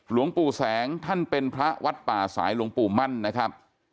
หลวงปู่แสงท่านเป็นพระวัดป่าสายหลวงปู่มั่นนะครับ